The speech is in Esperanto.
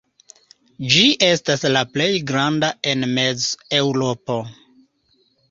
Ĝi estas la plej granda en Mez-Eŭropo.